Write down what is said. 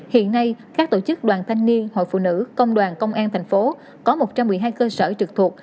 hiện nay các tổ chức đoàn thanh niên hội phụ nữ công đoàn công an thành phố có một trăm một mươi hai cơ sở trực thuộc